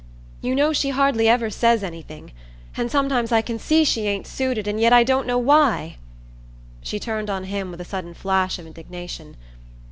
You know she hardly ever says anything, and sometimes I can see she ain't suited, and yet I don't know why." She turned on him with a sudden flash of indignation.